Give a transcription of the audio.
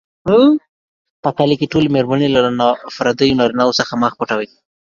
په کلیو کې ټولې مېرمنې له نا پردیو نارینوو څخه مخ پټوي.